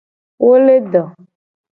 Wo le do.